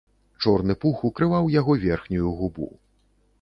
Чорны пух укрываў яго верхнюю губу.